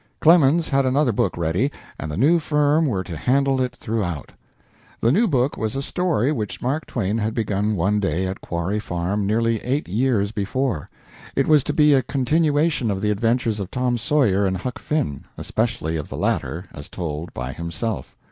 Clemens had another book ready, and the new firm were to handle it throughout. The new book was a story which Mark Twain had begun one day at Quarry Farm, nearly eight years before. It was to be a continuation of the adventures of Tom Sawyer and Huck Finn, especially of the latter as told by himself.